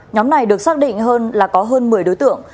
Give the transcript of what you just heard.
nhóm này được xác định hơn là có hơn một mươi đối tượng